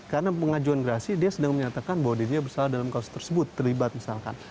karena pengajuan gerasi dia sedang menyatakan bahwa dirinya bersalah dalam kasus tersebut terlibat misalkan